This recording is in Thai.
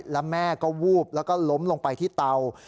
แล้วแม่ก็วูบแล้วก็ล้มลงไปที่เตา